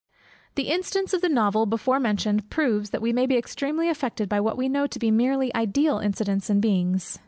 The instance of the novel before mentioned, proves, that we may be extremely affected by what we know to be merely ideal incidents and beings.